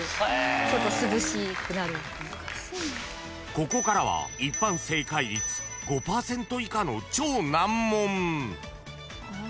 ［ここからは一般正解率５％以下の超難問］